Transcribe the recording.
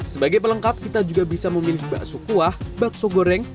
sebagai pelengkap kita juga bisa memilih bakso kuah bakso goreng